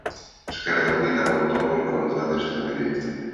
Esquerda Unida votou en contra desta medida.